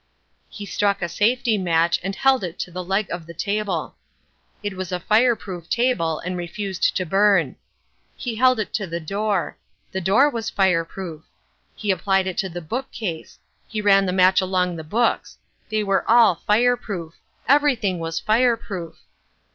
He struck a safety match and held it to the leg of the table. It was a fireproof table and refused to burn. He held it to the door. The door was fireproof. He applied it to the bookcase. He ran the match along the books. They were all fireproof. Everything was fireproof.